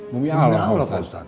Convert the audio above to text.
bumi allah pak ustadz